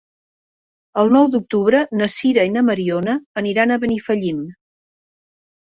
El nou d'octubre na Sira i na Mariona aniran a Benifallim.